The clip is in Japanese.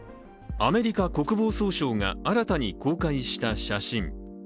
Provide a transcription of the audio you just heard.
アメリカ国防総省が新たに公開した写真。